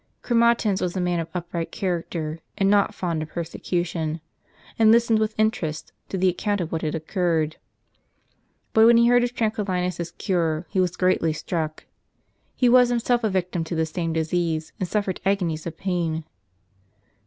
Chroma tins was a man of upright character, and not fond of persecu tion ; and listened with interest to the account of what had occurred. But when he heard of Tranquillinus' s cure, he was greatly struck. He was himself a victim to the same disease, and suffered agonies of pain.